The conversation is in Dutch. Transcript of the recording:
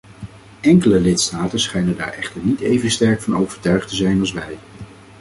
Enkele lidstaten schijnen daar echter niet even sterk van overtuigd te zijn als wij.